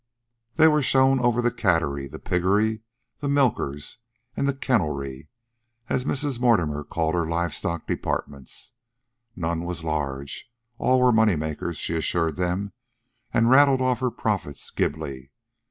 They were shown over the cattery, the piggery, the milkers, and the kennelry, as Mrs. Mortimer called her live stock departments. None was large. All were moneymakers, she assured them, and rattled off her profits glibly.